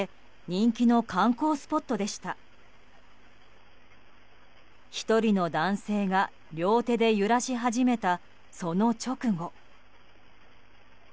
１人の男性が両手で揺らし始めたその直後。